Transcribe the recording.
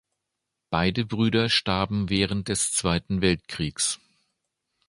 Beide Brüder starben während des Zweiten Weltkriegs.